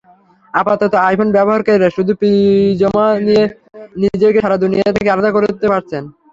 আপাতত আইফোন ব্যবহারকারীরা শুধু প্রিজমা দিয়ে নিজেকে সারা দুনিয়া থেকে আলাদা করতে পারছেন।